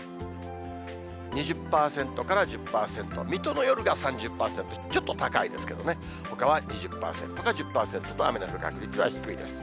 ２０％から１０％、水戸の夜が３０％、ちょっと高いですけどね、ほかは２０％か１０％と、雨の降る確率は低いです。